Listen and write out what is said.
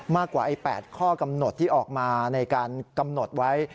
มากกว่า๘ข้อกำหนดที่ออกมาในการกำหนดไว้